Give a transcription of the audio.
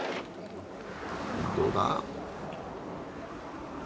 どうだ？